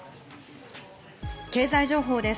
経済情報です。